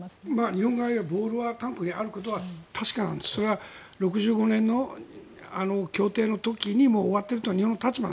日本側は、ボールは韓国にあることは確かなんですがそれは６５年の協定の時にもう終わっているというのが日本の立場。